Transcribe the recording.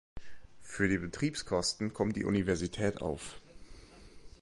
Für die Betriebskosten kommt die Universität auf.